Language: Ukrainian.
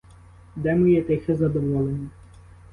Де моє тихе задоволення?